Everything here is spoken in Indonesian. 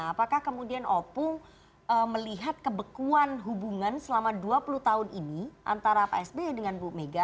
apakah kemudian opung melihat kebekuan hubungan selama dua puluh tahun ini antara pak sby dengan bu mega